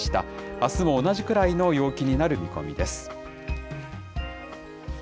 あすも同じくらいの陽気になる見込みです。